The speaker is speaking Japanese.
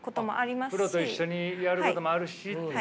プロと一緒にやることもあるしっていう。